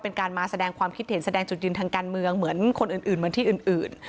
เป็นการมาแสดงความคิดเห็นแสดงจุดยืนทางการเมืองเหมือนคนอื่นเหมือนที่อื่น